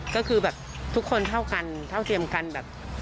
ก็คือแบบทุกคนเท่ากันเท่าเทียมกันแบบ